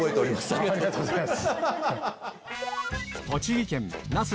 ありがとうございます。